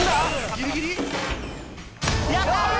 ギリギリ？やった！